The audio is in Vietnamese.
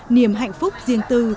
niềm hạnh phúc riêng tư